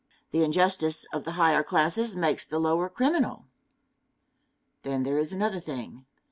The injustice of the higher classes makes the lower criminal. Then there is another thing.